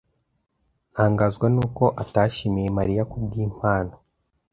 Ntangazwa nuko atashimiye Mariya kubwimpano.